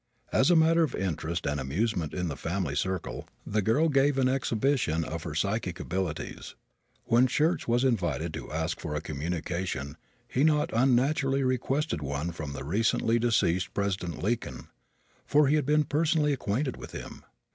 As a matter of interest and amusement in the family circle the girl gave an exhibition of her psychic abilities. When Schurz was invited to ask for a communication he not unnaturally requested one from the recently deceased President Lincoln, for he had been personally acquainted with him.